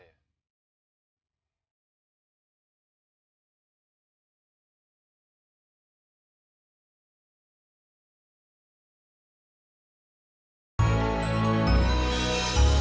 yang mau ke kos devil